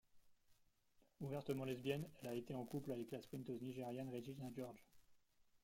Ouvertement lesbienne, elle a été en couple avec la sprinteuse nigériane Regina George.